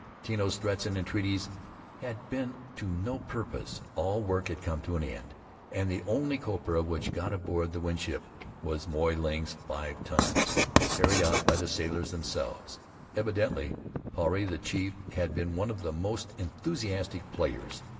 Tino's threats and entreaties had been to no purpose. All work came to an end, and the only copra which got aboard the Winship was Moy Ling's five tons, carried out by the sailors themselves. Evi dently Puarei, the chief, had been one of the most enthusiastic players.